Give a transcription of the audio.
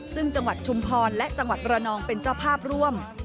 ซึ่งจังหวัดชุมพรและจังหวัดระนองเป็นเจ้าภาพร่วม